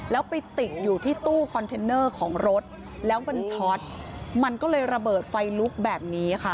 แล้วไปติดอยู่ที่ตู้คอนเทนเนอร์ของรถแล้วมันช็อตมันก็เลยระเบิดไฟลุกแบบนี้ค่ะ